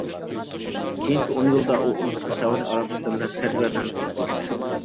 كېيىنكى ئون يىلدا ئۇ ئىزچىل سەئۇدى ئەرەبىستاندا سەرگەردان بولۇپ يۈرگەن.